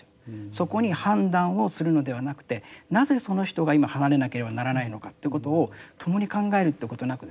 そこに判断をするのではなくてなぜその人が今離れなければならないのかってことを共に考えるってことなくですよ。